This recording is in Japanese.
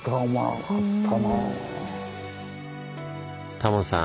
タモさん